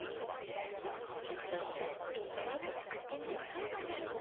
お父ちゃんええねじ作ってんねんな。